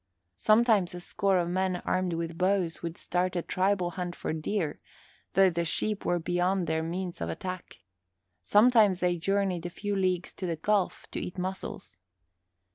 Sometimes a score of men armed with bows would start a tribal hunt for deer, though the sheep were beyond their means of attack. Sometimes they journeyed a few leagues to the Gulf to eat mussels.